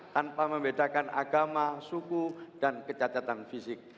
tanpa membedakan agama suku dan kecacatan fisik